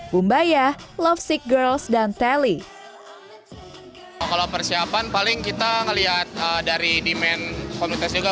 bumbaya lofsick girls dan telly kalau persiapan paling kita ngelihat dari demand komunitas juga